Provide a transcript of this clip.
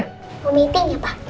mau meeting ya pa